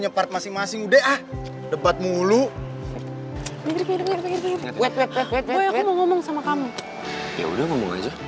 yaudah ngomong aja